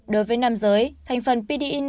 đối với nam giới thành phần pde năm